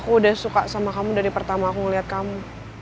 udah suka sama kamu dari pertama aku ngeliat kamu